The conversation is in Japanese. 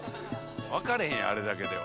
分かれへんあれだけでは。